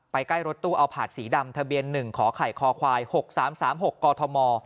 ใกล้รถตู้เอาผาดสีดำทะเบียน๑ขอไข่คอควาย๖๓๓๖กธม